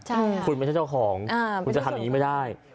ใช่คุณไม่ใช่เจ้าของคุณจะทำอย่างนี้ไม่ได้